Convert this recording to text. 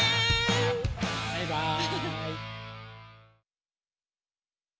バイバイ！